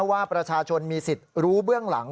ว่าประชาชนมีสิทธิ์รู้เบื้องหลัง